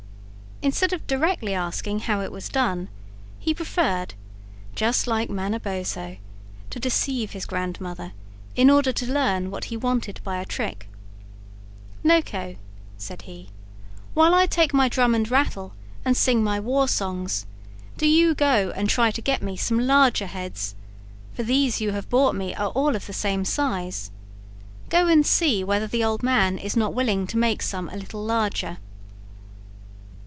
Instead of directly asking how it was done, he preferred—just like Manabozho—to deceive his grandmother, in order to learn what he wanted by a trick. "Noko," said he, "while I take my drum and rattle, and sing my war songs, do you go and try to get me some larger heads, for these you have brought me are all of the same size. Go and see whether the old man is not willing to make some a little larger."